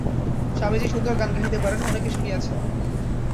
স্বামীজী সুন্দর গান গাহিতে পারেন, অনেকে শুনিয়াছেন।